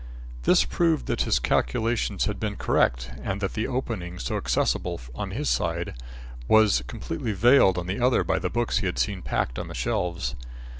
This proved that his calculations had been correct and that the opening so accessible on his side, was completely veiled on the other by the books he had seen packed on the shelves.